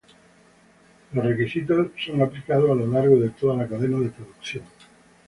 Los requisitos son aplicables a lo largo de toda la cadena de producción.